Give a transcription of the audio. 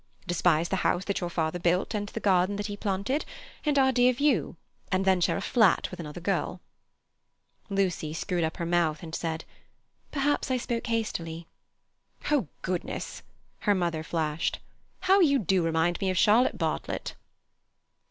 Despise the house that your father built and the garden that he planted, and our dear view—and then share a flat with another girl." Lucy screwed up her mouth and said: "Perhaps I spoke hastily." "Oh, goodness!" her mother flashed. "How you do remind me of Charlotte Bartlett!"